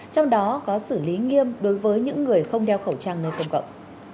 trong đó có xử lý nghiêm đối với những người không đeo khẩu trang nơi công cộng